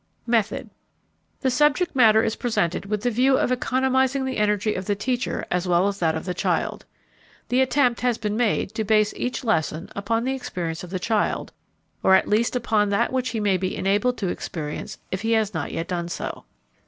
] METHOD The subject matter is presented with the view of economizing the energy of the teacher as well as that of the child. The attempt has been made to base each lesson upon the experience of the child or at least upon that which he may be enabled to experience if he has not yet done so.